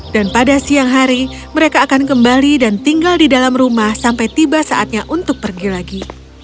dan pada siang hari mereka akan kembali dan tinggal di dalam rumah sampai tiba saatnya untuk pergi lagi